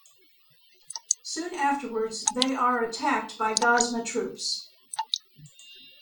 Soon afterwards, they are attacked by Gozma troops.